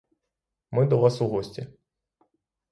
Ми до вас у гості.